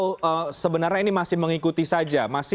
atau sebenarnya ini masih mengikuti saja